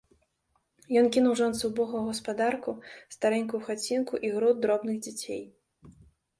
Ён кінуў жонцы ўбогую гаспадарку, старэнькую хацінку і груд дробных дзяцей.